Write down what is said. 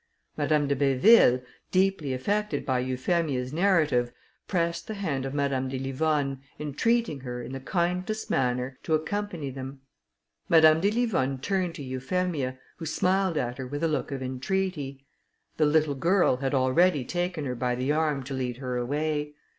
Madame de Béville, deeply affected by Euphemia's narrative, pressed the hand of Madame de Livonne, entreating her, in the kindest manner, to accompany them. Madame de Livonne turned to Euphemia, who smiled at her with a look of entreaty; the little girl had already taken her by the arm to lead her away.